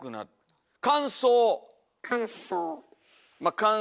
乾燥。